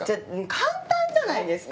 簡単じゃないですか！